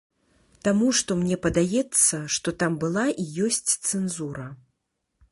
Таму што мне падаецца, што там была і ёсць цэнзура.